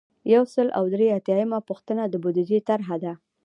یو سل او درې اتیایمه پوښتنه د بودیجې طرحه ده.